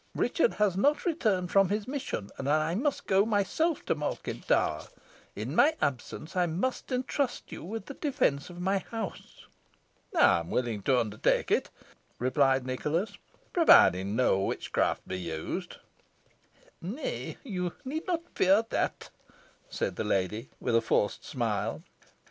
"Richard has not returned from his mission, and I must go myself to Malkin Tower. In my absence, I must entrust you with the defence of my house." "I am willing to undertake it," replied Nicholas, "provided no witchcraft be used." "Nay, you need not fear that," said the lady, with a forced smile.